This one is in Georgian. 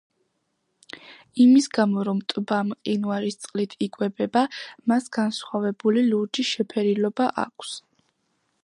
იმის გამო, რომ ტბა მყინვარის წყლით იკვებება, მას განსხვავებული ლურჯი შეფერილობა აქვს.